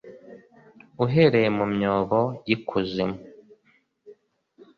'uhereye mu myobo y'ikuzimu,